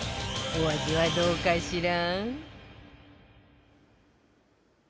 お味はどうかしら？